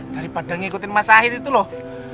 daripada ngikutin mas sahid itu loh